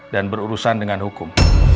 dan berurusan dengan hukum